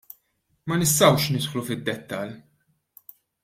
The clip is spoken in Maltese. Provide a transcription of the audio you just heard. Ma nistgħux nidħlu fid-dettall.